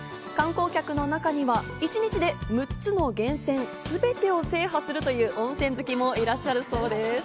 観光客の中には一日で６つの源泉すべてを制覇するという温泉好きもいらっしゃるそうです。